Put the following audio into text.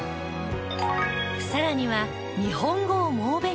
さらには日本語を猛勉強。